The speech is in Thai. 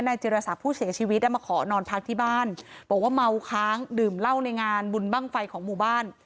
จิรศักดิ์ผู้เสียชีวิตมาขอนอนพักที่บ้านบอกว่าเมาค้างดื่มเหล้าในงานบุญบ้างไฟของหมู่บ้าน